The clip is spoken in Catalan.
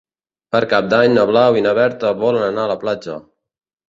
Per Cap d'Any na Blau i na Berta volen anar a la platja.